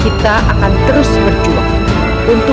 kita akan mencari kemampuan untuk mencari kemampuan